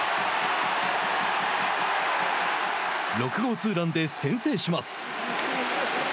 ６号ツーランで先制します。